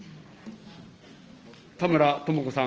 田村智子さん。